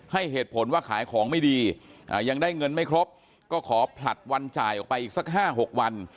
ให้เหตุผลว่าขายของไม่ดียังได้เงินไม่ครบก็ขอผลัดวันจ่ายออกไปอีกสัก๕๖วัน